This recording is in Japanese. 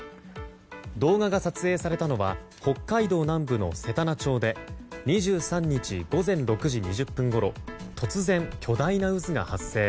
動画が撮影されたのは北海道南部のせたな町で２３日午前６時２０分ごろ突然、巨大な渦が発生。